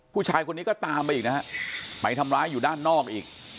ผู้ชายคนนี้ก็ตามไปอีกนะฮะไปทำร้ายอยู่ด้านนอกอีก